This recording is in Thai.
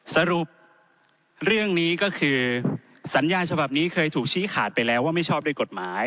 สรุปเรื่องนี้ก็คือสัญญาณฉบับนี้เคยถูกชี้ขาดไปแล้วว่าไม่ชอบด้วยกฎหมาย